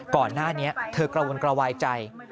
ก่อนหน้านี้เธอกระวนกระวายใจ